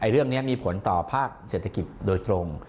เรื่องนี้มีผลต่อภาคเศรษฐกิจโดยตรง